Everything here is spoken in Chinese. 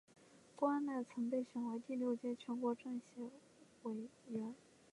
郭安娜曾被选为第六届全国政协委员。